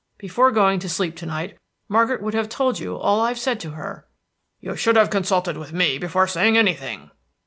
Before going to sleep to night, Margaret would have told you all I've said to her." "You should have consulted with me before saying anything."